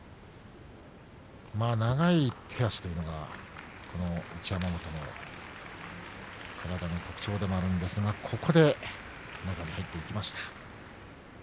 長い手足というのがこの一山本の体の特徴でもあるんですが土俵際、中に入っていきました。